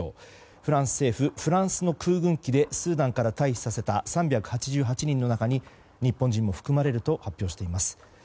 フランス政府フランスの空軍機でスーダンから退避させた３８８人の中に日本人も含まれると発表しています。